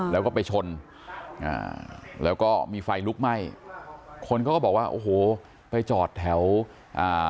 แล้วก็ไปชนอ่าแล้วก็มีไฟลุกไหม้คนเขาก็บอกว่าโอ้โหไปจอดแถวอ่า